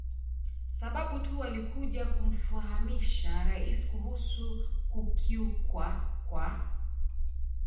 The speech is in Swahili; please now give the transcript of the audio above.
sababu tu walikuja kumfahamisha Rais kuhusu kukiukwa kwa